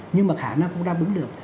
nhưng mà khả năng cũng đang bứng được